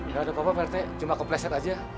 gak ada apa apa pak rt cuma kompleset aja